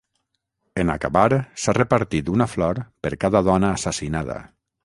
En acabar, s’ha repartit una flor per cada dona assassinada.